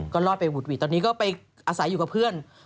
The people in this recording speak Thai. ก็รอดไปหุดหวิดตอนนี้ก็ไปอาศัยอยู่กับเพื่อน